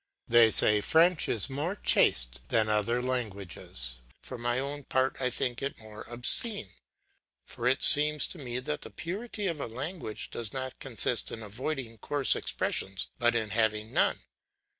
They say French is more chaste than other languages; for my own part I think it more obscene; for it seems to me that the purity of a language does not consist in avoiding coarse expressions but in having none.